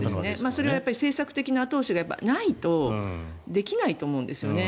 それは政策的な後押しがないとできないと思うんですよね。